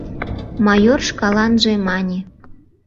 — майор шкаланже мане.